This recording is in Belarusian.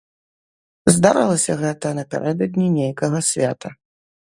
Здарылася гэта напярэдадні нейкага свята.